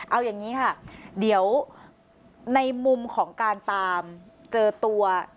เอาอย่างนี้ค่ะเดี๋ยวในมุมของการตามเจอตัว